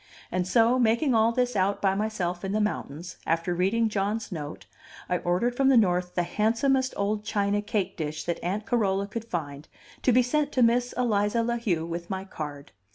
And so, making all this out by myself in the mountains after reading John's note, I ordered from the North the handsomest old china cake dish that Aunt Carola could find to be sent to Miss Eliza La Heu with my card.